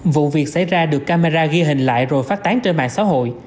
vụ việc xảy ra được camera ghi hình lại rồi phát tán trên mạng xã hội